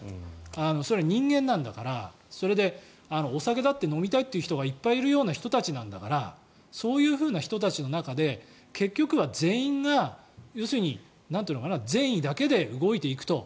それは人間なんだからお酒だって飲みたいという人がいっぱいいるんだからそういうふうな人たちの中で結局は全員が要するに善意だけで動いていくと。